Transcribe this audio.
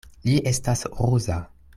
Li estas ruza.